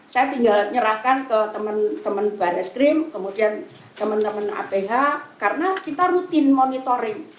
saya tinggal nyerahkan ke teman teman bandar skrim kemudian teman teman aph karena kita rutin monitoring